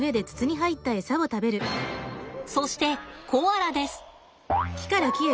そしてコアラです。